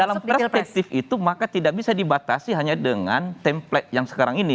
dalam perspektif itu maka tidak bisa dibatasi hanya dengan template yang sekarang ini